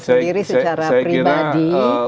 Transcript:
sendiri secara pribadi